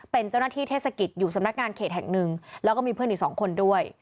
เป็นเจ้าหน้าที่เทศกิจอยู่สำนักงานเขตแห่งหนึ่งแล้วก็มีเพื่อนอีกสองคนด้วย